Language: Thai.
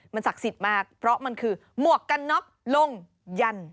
มันศักดิ์สิทธิ์มากเพราะมันคือหมวกกันน็อกลงยัน